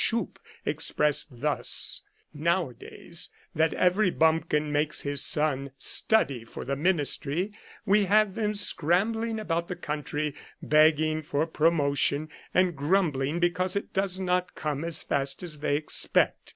Schupp, expressed thus :" Nowa days that every bumpkin makes his son study for the ministry, we have them scrambling about the country begging for promotion, and grumbling because it does not come as fast as they expect.